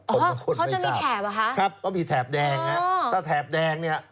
คนบางคนไม่ทราบครับต้องมีแถบแดงนะครับถ้าแถบแดงนี่